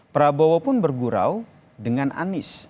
prabowo pun bergurau dengan anies